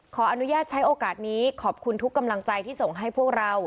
ขออนุญาตใช้โอกาสนี้ขอบคุณทุกกำลังใจที่ส่งให้พวกเรา